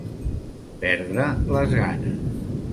Perdre les ganes.